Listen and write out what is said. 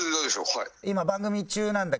「はい」